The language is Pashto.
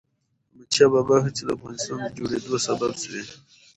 د احمد شاه بابا هڅې د افغانستان د جوړېدو سبب سوي.